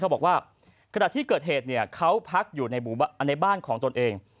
บอกว่าขณะที่เกิดเหตุเขาพักอยู่ในบ้านของตนเอง